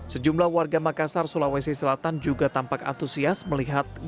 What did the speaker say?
sejumlah warga makassar sulawesi selatan juga tampak antusias melihat